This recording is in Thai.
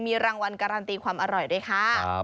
มีรางวัลการันตีความอร่อยด้วยค่ะ